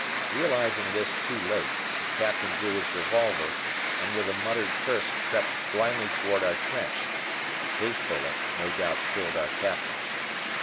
Realizing this too late, the Captain drew his revolver and with a muttered curse crept blindly toward our trench. His bullet no doubt killed our Captain.